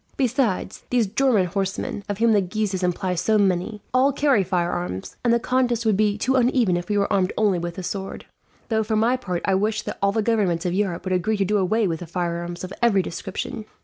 Besides, these German horsemen, of whom the Guises employ so many, all carry firearms; and the contest would be too uneven if we were armed only with the sword; though for my part I wish that all the governments of Europe would agree to do away with firearms of every description.